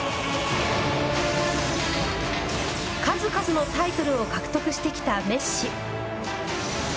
数々のタイトルを獲得してきたメッシ。